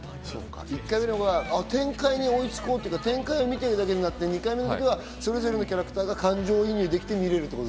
１回目のほうが展開を見てるだけになって２回目の時はそれぞれのキャラクターに感情移入できて見られると。